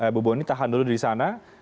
ibu boni tahan dulu di sana